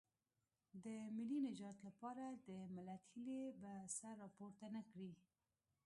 د ملي نجات لپاره د ملت هیلې به سر راپورته نه کړي.